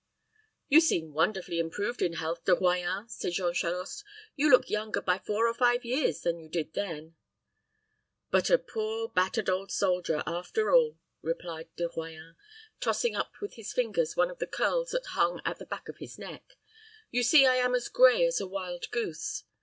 "You seem wonderfully improved in health, De Royans," said Jean Charost. "You look younger by four or five years than you did then." "But a poor, battered old soldier, after all," replied De Royans, tossing up with his fingers one of the curls that hung at the back of his neck. "You see I am as gray as a wild goose.